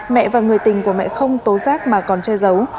mẹ và người tình của mẹ không tố giác mà còn che giấu